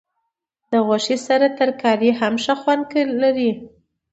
د غوښې سره ترکاري هم ښه خوند لري.